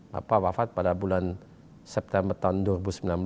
bapak wafat pada bulan september tahun dua ribu sembilan belas